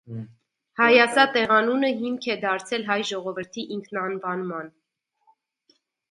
Հայասա տեղանունը հիմք է դարձել հայ ժողովրդի ինքնանվանման։